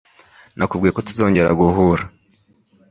Nakubwiye ko tuzongera guhura.